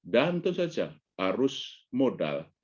dan tentu saja arus modal